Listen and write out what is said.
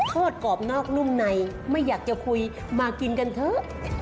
ทอดกรอบนอกนุ่มในไม่อยากจะคุยมากินกันเถอะ